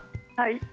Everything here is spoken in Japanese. はい。